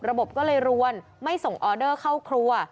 ระบบก็เลยรวนไม่ส่งออเดอร์เข้าครัว